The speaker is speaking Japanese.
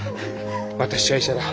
私は医者だ。